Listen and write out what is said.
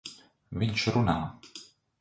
Viņš runā!